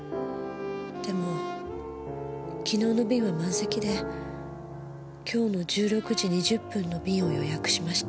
でも昨日の便は満席で今日の１６時２０分の便を予約しました。